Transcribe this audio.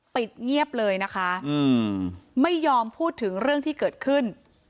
ปิดเงียบเลยนะคะไม่ยอมพูดถึงเรื่องที่เกิดขึ้น